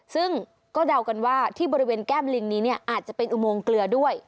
ซึ่งก็เดากันว่าที่บริเวณแก้มลิงนี้เนี่ยอาจจะเป็นอุโมงเกลือด้วย